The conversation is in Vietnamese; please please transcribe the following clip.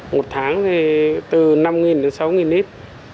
một tháng thì từ năm đến sáu nít